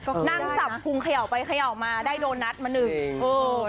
ก็นั่งส่ำพุงเขย่าไปเขย่ามาได้โดนัทมาหนึ่ง